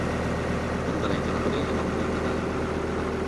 যাতে তারা হিংসা না করে এবং ষড়যন্ত্রের জাল বিস্তার করতে না পারে।